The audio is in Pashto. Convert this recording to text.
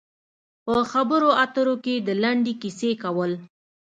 په خبرو اترو کې د لنډې کیسې کول.